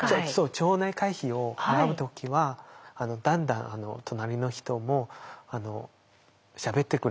町内会費を払う時はだんだん隣の人もしゃべってくれて。